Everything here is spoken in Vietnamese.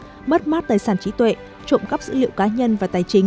sản xuất mất mát tài sản trí tuệ trộm cắp dữ liệu cá nhân và tài chính